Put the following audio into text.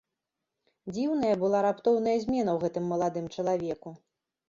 Дзіўная была раптоўная змена ў гэтым маладым чалавеку.